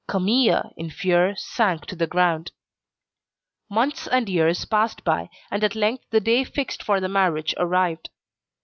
Camille in fear sank to the ground. Months and years passed by, and at length the day fixed for the marriage arrived.